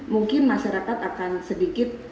mungkin masyarakat akan sedikit